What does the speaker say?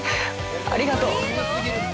ありがとう！